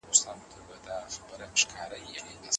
ځيني اولادونه تر نورو غوره ګڼل شريعت منع کړي دي.